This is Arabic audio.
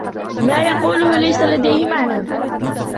ما يقوله ليس لديه معنى.